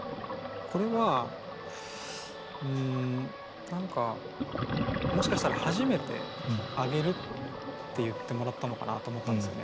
これはうん何かもしかしたら初めて「あげる」って言ってもらったのかなと思ったんですよね。